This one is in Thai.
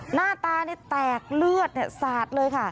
หน้าตาแตกเลือดศาสตร์เลย